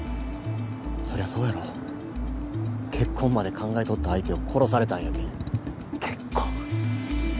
そりゃそうや結婚まで考えとった相手を殺されたんやけん結婚？